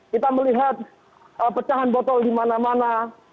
kita melihat pecahan botol di mana mana